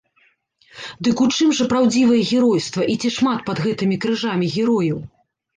Дык у чым жа праўдзівае геройства і ці шмат пад гэтымі крыжамі герояў?